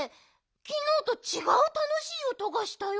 きのうとちがうたのしいおとがしたよ。